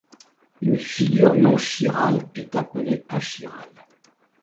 Une figure non chirale est appelée achirale.